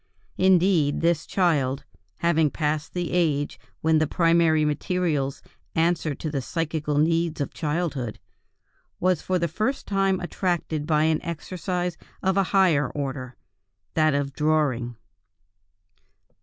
Indeed, this child, having passed the age when the primary materials answer to the psychical needs of childhood, was for the first time attracted by an exercise of a higher order, that of drawing.